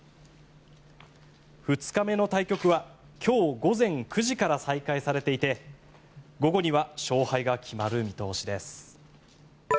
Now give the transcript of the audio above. ２日目の対局は今日午前９時から再開されていて午後には勝敗が決まる見通しです。